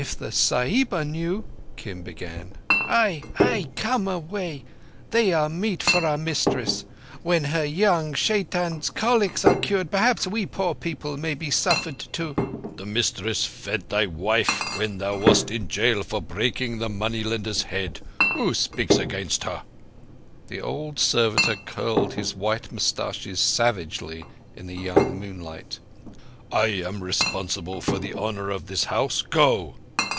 "If the Sahiba knew—" Kim began. "Ai! Ai! Come away. They are meat for our mistress. When her young Shaitan's colics are cured perhaps we poor people may be suffered to—" "The mistress fed thy wife when thou wast in jail for breaking the money lender's head. Who speaks against her?" The old servitor curled his white moustaches savagely in the young moonlight. "I am responsible for the honour of this house. Go!"